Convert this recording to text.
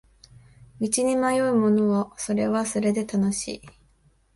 道に迷うのもそれはそれで楽しい